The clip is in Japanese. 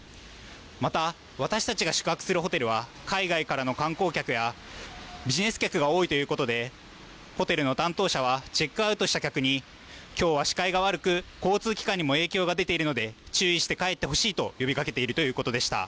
また私たちが宿泊するホテルは海外からの観光客やビジネス客が多いということでホテルの担当者はチェックアウトした客にきょうは視界が悪く交通機関にも影響が出ているので注意して帰ってほしいと呼びかけているということでした。